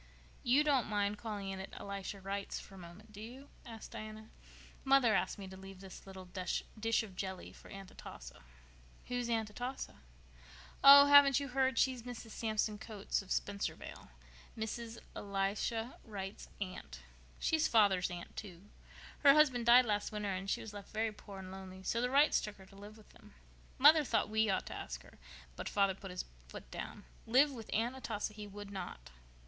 "You don't mind calling in at Elisha Wright's for a moment, do you?" asked Diana. "Mother asked me to leave this little dish of jelly for Aunt Atossa." "Who is Aunt Atossa?" "Oh, haven't you heard? She's Mrs. Samson Coates of Spencervale—Mrs. Elisha Wright's aunt. She's father's aunt, too. Her husband died last winter and she was left very poor and lonely, so the Wrights took her to live with them. Mother thought we ought to take her, but father put his foot down. Live with Aunt Atossa he would not."